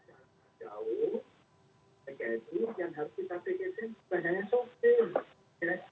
jadi itu yang harus kita pikirkan sebenarnya sopir